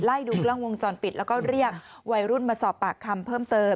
ดูกล้องวงจรปิดแล้วก็เรียกวัยรุ่นมาสอบปากคำเพิ่มเติม